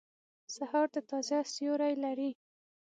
سهار د تازه سیوری لري.